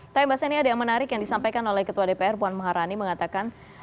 tapi mbak seni ada yang menarik yang disampaikan oleh ketua dpr puan maharani mengatakan